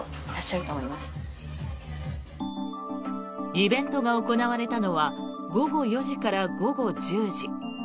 イベントが行われたのは午後４時から午後１０時。